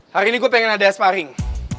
hari ini gue pengen ada sparring